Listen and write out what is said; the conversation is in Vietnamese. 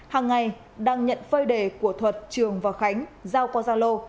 hàng ngày đang nhận phơi đề của thuật trường và khánh giao qua gia lô